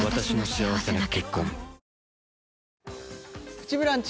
「プチブランチ」